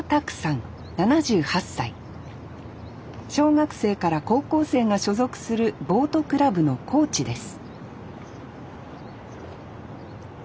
小学生から高校生が所属するボートクラブのコーチです